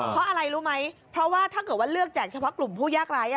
เพราะอะไรรู้ไหมเพราะว่าถ้าเกิดว่าเลือกแจกเฉพาะกลุ่มผู้ยากร้าย